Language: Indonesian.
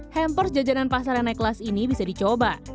hampers jajanan pasaran naik kelas ini bisa dicoba